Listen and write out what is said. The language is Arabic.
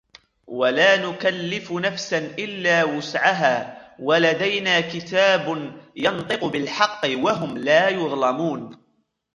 وَلَا نُكَلِّفُ نَفْسًا إِلَّا وُسْعَهَا وَلَدَيْنَا كِتَابٌ يَنْطِقُ بِالْحَقِّ وَهُمْ لَا يُظْلَمُونَ